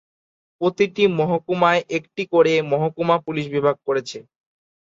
প্রতিটি মহকুমায় একটি করে মহকুমা পুলিশ বিভাগ করেছে।